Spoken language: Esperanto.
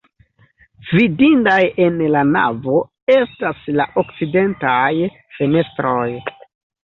Vidindaj en la navo estas la okcidentaj fenestroj.